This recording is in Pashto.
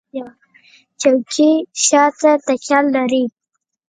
چوکۍ شاته تکیه لري.